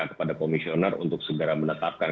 kepada komisioner untuk segera menetapkan